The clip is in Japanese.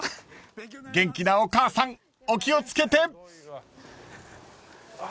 ［元気なお母さんお気を付けて！］